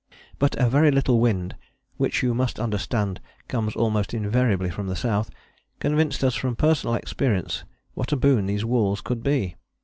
But a very little wind (which you must understand comes almost invariably from the south) convinced us from personal experience what a boon these walls could be.